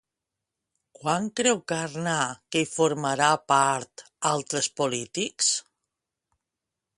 Quan creu Kärnä que hi formarà part altres polítics?